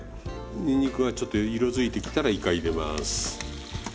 にんにくがちょっと色づいてきたらいか入れます。